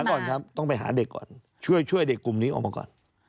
ก่อนครับต้องไปหาเด็กก่อนช่วยเด็กกลุ่มนี้ออกมาก่อน